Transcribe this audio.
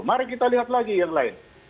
mari kita lihat lagi yang lain